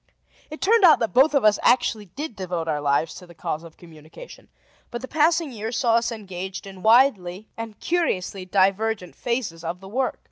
It turned out that both of us actually did devote our lives to the cause of communication; but the passing years saw us engaged in widely and curiously divergent phases of the work.